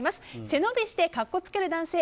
背伸びしてカッコつける男性